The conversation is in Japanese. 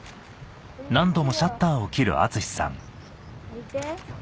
見て。